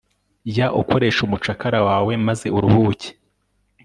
jya ukoresha umucakara wawe, maze uruhuke